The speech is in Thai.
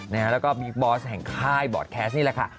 แล้วก็บิ๊กบอสแห่งค่ายบอร์ดแคสต์นี่แหละค่ะ